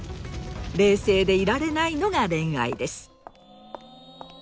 冷静でいられないのが恋愛です。